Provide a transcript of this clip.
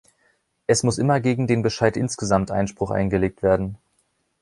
Es muss immer gegen den Bescheid insgesamt Einspruch eingelegt werden.